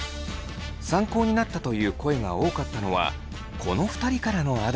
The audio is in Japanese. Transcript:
「参考になった」という声が多かったのはこの２人からのアドバイス。